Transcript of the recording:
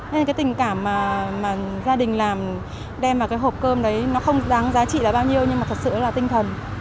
nên cái tình cảm mà gia đình làm đem vào cái hộp cơm đấy nó không đáng giá trị là bao nhiêu nhưng mà thật sự là tinh thần